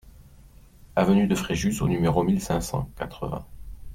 Avenue de Fréjus au numéro mille cinq cent quatre-vingts